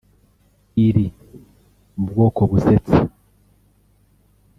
iri mu bwoko busetsa